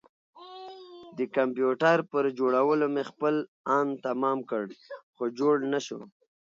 د کمپيوټر پر جوړولو مې خپل ان تمام کړ خو جوړ نه شو.